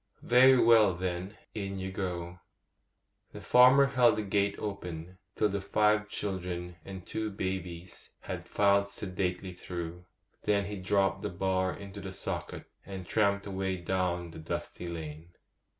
'Very well, then, in you go.' The farmer held the gate open till the five children and two babies had filed sedately through; then he dropped the bar into the socket, and tramped away down the dusty lane.